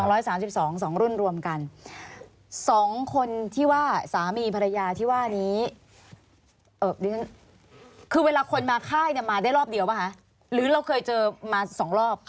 ร้อยสามสิบสองสองรุ่นรวมกันสองคนที่ว่าสามีภรรยาที่ว่านี้เอ่อดิฉันคือเวลาคนมาค่ายเนี่ยมาได้รอบเดียวป่ะคะหรือเราเคยเจอมาสองรอบ